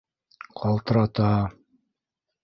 Ҡалтырата.